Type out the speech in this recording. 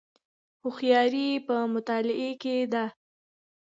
هوښیاري په مطالعې کې ده